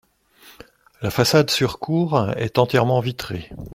La façade sur cour est entièrement vitrée.